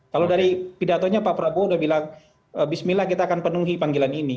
kalau dari pidatonya pak prabowo udah bilang bismillah kita akan penuhi panggilan ini